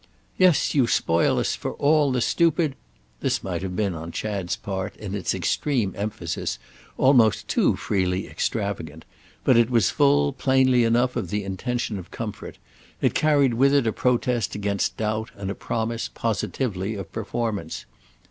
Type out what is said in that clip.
"Yes, you spoil us for all the stupid—!" This might have been, on Chad's part, in its extreme emphasis, almost too freely extravagant; but it was full, plainly enough, of the intention of comfort, it carried with it a protest against doubt and a promise, positively, of performance.